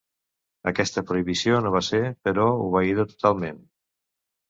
Aquesta prohibició no va ser, però, obeïda totalment.